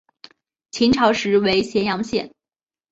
秦朝时为咸阳县。